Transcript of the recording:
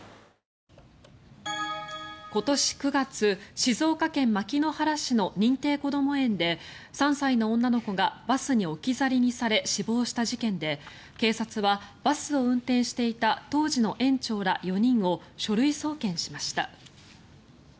今年９月静岡県牧之原市の認定こども園で３歳の女の子がバスに置き去りにされ死亡した事件で警察は、バスを運転していた当時の園長ら４人を書類送検しました。